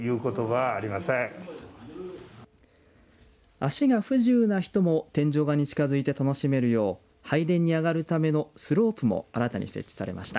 足が不自由な人も天井画に近づいて楽しめるよう拝殿に上がるためのスロープも新たに設置されました。